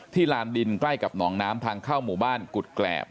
ลานดินใกล้กับหนองน้ำทางเข้าหมู่บ้านกุฎแกรบ